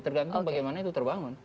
tergantung bagaimana itu terbangun